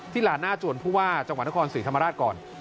หลานหน้าจวนผู้ว่าจังหวัดนครศรีธรรมราชก่อน